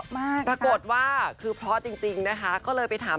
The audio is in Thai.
เม้าท์จริงนะครับ